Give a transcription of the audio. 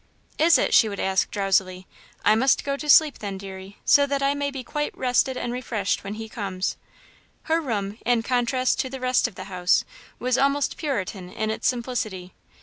"Is it?" she would ask, drowsily. "I must go to sleep, then, deary, so that I may be quite rested and refreshed when he comes." Her room, in contrast to the rest of the house, was almost Puritan in its simplicity.